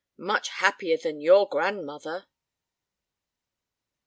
"Much happier than your grandmother."